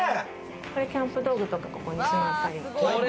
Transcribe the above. これキャンプ道具とか、ここにしまったり。